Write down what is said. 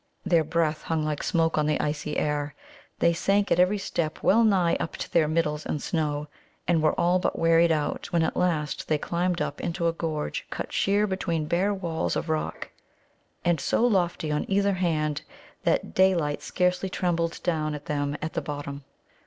Their breath hung like smoke on the icy air. They sank at every step wellnigh up to their middles in snow, and were all but wearied out when at last they climbed up into a gorge cut sheer between bare walls of rock, and so lofty on either hand that daylight scarcely trembled down to them at the bottom.